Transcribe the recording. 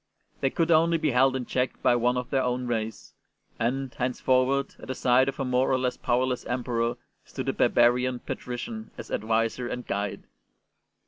They could only be held in check by one of their own race; and, henceforward, at the side of a more or less powerless Emperor stood a barbarian ^* patrician '' as adviser and guide.